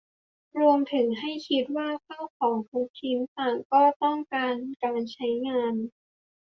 รวมถึงให้คิดว่าข้าวของทุกชิ้นต่างก็ต้องการการใช้งาน